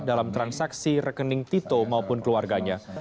dalam transaksi rekening tito maupun keluarganya